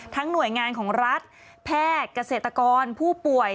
หน่วยงานของรัฐแพทย์เกษตรกรผู้ป่วย